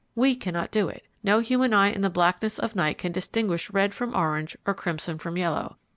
We cannot do it. No human eye in the blackness of the night can distinguish red from orange or crimson from yellow.